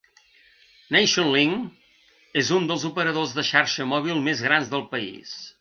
Nationlink és una dels operadors de xarxa mòbil més grans del país.